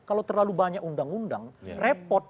kalau terlalu banyak undang undang repot